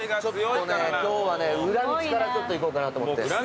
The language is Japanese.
ちょっとね今日はね裏道からちょっと行こうかなと思って。